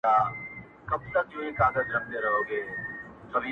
• د سکندر او رکسانې یې سره څه..